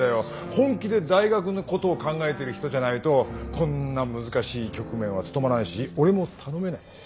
本気で大学のことを考えてる人じゃないとこんな難しい局面は務まらないし俺も頼めない。